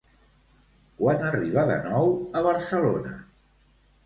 Quan arriba de nou a Barcelona?